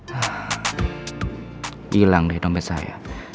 nah hilang deh dompet saya